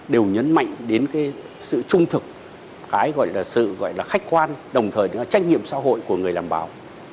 đều nhấn mạnh đến cái sự trung thực cái gọi là sự gọi là khách quan đồng thời đấy là trách nhiệm xã hội của người làm báo